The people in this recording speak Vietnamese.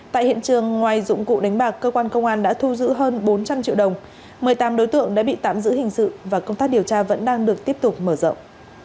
tại hiện trường ngoài dụng cụ đánh bạc cơ quan công an đã thu giữ hơn bốn trăm linh triệu đồng một mươi tám đối tượng đã bị tạm giữ hình sự và công tác điều tra vẫn đang được tiếp tục mở rộng